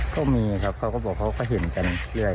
ก็มีครับเค้าก็บอกเค้าก็เห็นกัน